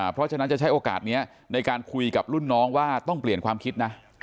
เพราะฉะนั้นจะใช้โอกาสนี้ในการคุยกับรุ่นน้องว่าต้องเปลี่ยนความคิดนะ